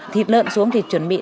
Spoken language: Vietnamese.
thịt lợn xuống thì chuẩn bị